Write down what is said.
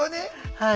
はい。